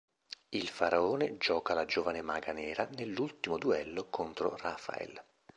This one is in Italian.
Il Faraone gioca la Giovane Maga Nera nell'ultimo duello contro Rafael.